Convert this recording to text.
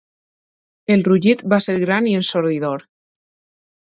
El rugit va ser gran i ensordidor.